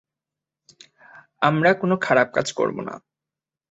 আমরা কোনো খারাপ কাজ করব না।